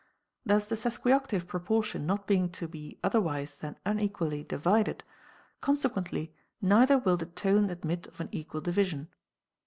Thus the sesquioctave proportion not being to be otherwise than unequally divided, consequently neither will the tone admit of an equal division.